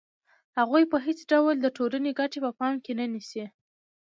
هغوی په هېڅ ډول د ټولنې ګټې په پام کې نه نیسي